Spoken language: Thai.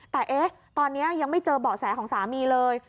แต่ตอนนี้ยังไม่เจอเบาะแสของสามีเลย